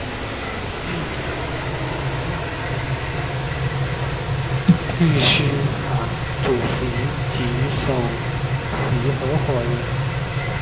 叶锡安曾任孖士打律师行主席及首席合夥人。